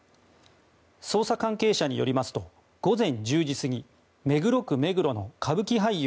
捜査関係者によりますと午前１０時過ぎ、目黒区目黒の歌舞伎俳優